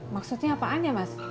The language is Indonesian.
maksudnya apaan ya mas